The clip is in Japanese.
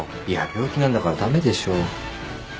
いや病気なんだから駄目でしょ。